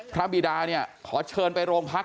บิดาเนี่ยขอเชิญไปโรงพัก